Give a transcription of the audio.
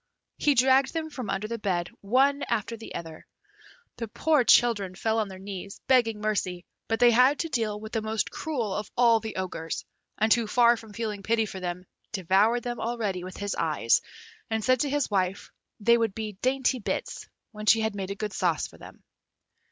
He dragged them from under the bed one after the other. The poor children fell on their knees, begging mercy; but they had to deal with the most cruel of all the Ogres, and who, far from feeling pity for them, devoured them already with his eyes, and said to his wife they would be dainty bits, when she had made a good sauce for them.